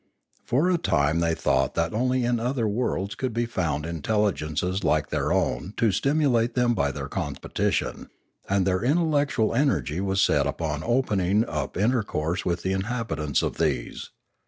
For a time they thought that only in other worlds could be fouud intelligences like their own to stimulate them by their competition; and their intellectual energy was set upon opening up intercourse with the inhabitants of these.